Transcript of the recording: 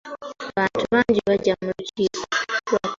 Abantu bangi bajja mu lukiiko.